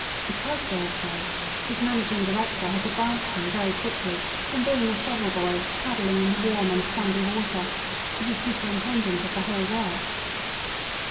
Because they are so, his managing director has advanced him very quickly from being a shovel boy, paddling in the warm and sandy water^ to be superintendent of the whole works.